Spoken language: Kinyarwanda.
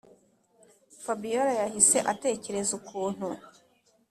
fabiora yahise atekereza ukuntu